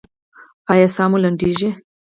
ایا ساه مو لنډیږي؟